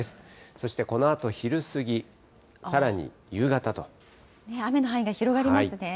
そしてこのあと昼過ぎ、さらに夕雨の範囲が広がりますね。